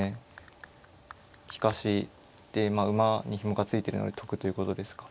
でまあ馬にひもが付いてるので得ということですか。